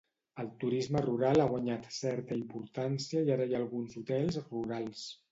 El turisme rural ha guanyat certa importància i ara hi ha alguns hotels rurals.